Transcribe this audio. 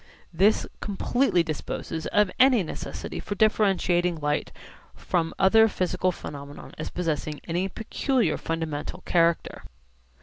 This completely disposes of any necessity for differentiating light from other physical phenomena as possessing any peculiar fundamental character.